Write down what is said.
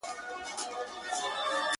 له څو خوښيو او دردو راهيسي,